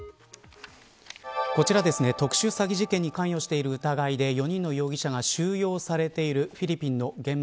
こちら、特殊詐欺事件に関与している疑いで４人の容疑者が収容されているフィリピンの現場。